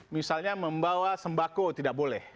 misalnya membawa sembako tidak boleh